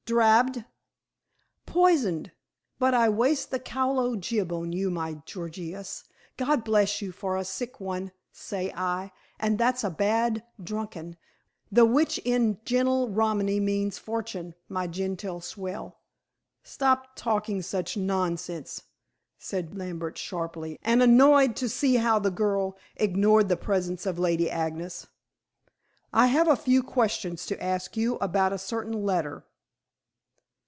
"Drabbed?" "Poisoned. But I waste the kalo jib on you, my Gorgious. God bless you for a sick one, say I, and that's a bad dukkerin, the which in gentle Romany means fortune, my Gentile swell." "Drop talking such nonsense," said Lambert sharply, and annoyed to see how the girl ignored the presence of Lady Agnes. "I have a few questions to ask you about a certain letter."